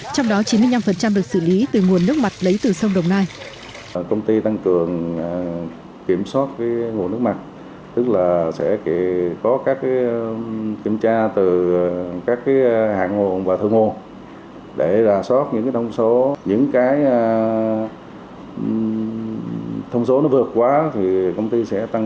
trong đó chín mươi năm được xử lý từ nguồn nước mặt lấy từ sông đồng nai